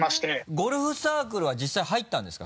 ゴルフサークルは実際入ったんですか？